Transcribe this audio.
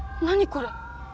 これ！